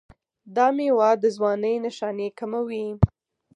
دا میوه د ځوانۍ نښانې کموي.